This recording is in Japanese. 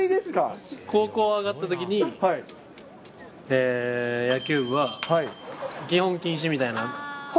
高校上がったときに、野球部は基本、禁止みたいな。